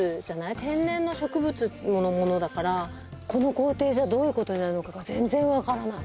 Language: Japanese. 天然の植物のものだからこの工程じゃどういうことになるのかが全然分からない。